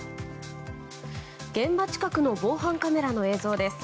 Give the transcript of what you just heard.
現場近くの防犯カメラの映像です。